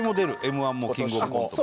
Ｍ−１もキングオブコントも。